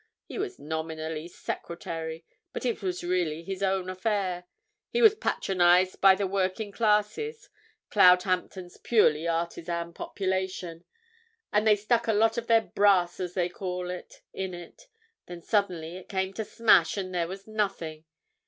He was nominally secretary, but it was really his own affair. It was patronized by the working classes—Cloudhampton's a purely artisan population—and they stuck a lot of their brass, as they call it, in it. Then suddenly it came to smash, and there was nothing.